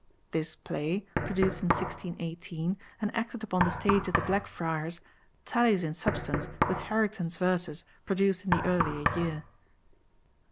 This play, produced in 1618 and acted upon the stage of the Blackfriars, tallies in substance with Harrington's verses produced in the earlier year.